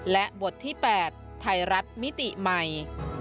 และบทที่๘ไทยรัฐมิติใหม่